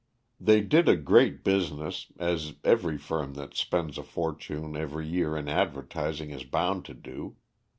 They did a great business, as every firm that spends a fortune every year in advertising is bound to do.